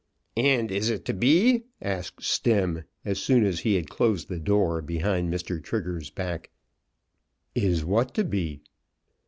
"And is it to be?" asked Stemm, as soon as he had closed the door behind Mr. Trigger's back. "Is what to be?"